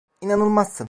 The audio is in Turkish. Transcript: İnanılmazsın.